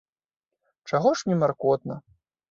Чаго ж мне маркотна?